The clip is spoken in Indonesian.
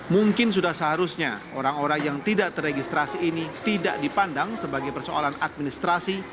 mungkin sudah seharusnya orang orang yang tidak teregistrasi ini tidak dipandang sebagai persoalan administrasi